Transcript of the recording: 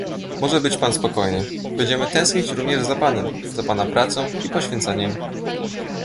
Może być pan spokojny, będziemy tęsknić również za panem, za pana pracą i poświęceniem